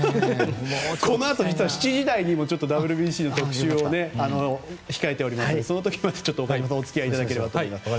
このあと実は７時台にもＷＢＣの特集を控えておりますのでその時またちょっと岡島さんにお付き合いいただければと思います。